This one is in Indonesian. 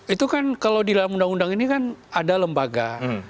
itu kan kalau di dalam undang undang ini kan ada lembaga